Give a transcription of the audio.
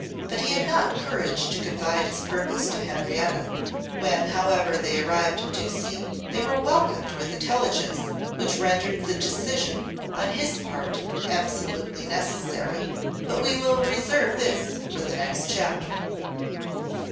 But he had not courage to confide his purpose to Henrietta. When, however, they arrived at Ducie, they were welcomed with intelligence which rendered the decision, on his part, absolutely necessary. But we will reserve this for the next chapter.